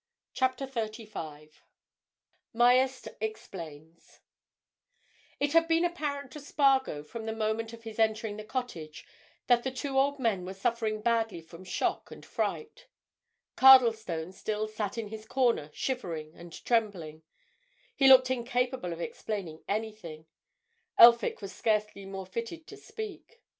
CHAPTER THIRTY FIVE MYERST EXPLAINS It had been apparent to Spargo, from the moment of his entering the cottage, that the two old men were suffering badly from shock and fright: Cardlestone still sat in his corner shivering and trembling; he looked incapable of explaining anything; Elphick was scarcely more fitted to speak.